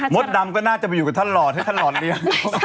ดำก็น่าจะไปอยู่กับท่านหลอดให้ท่านหล่อเลี้ยง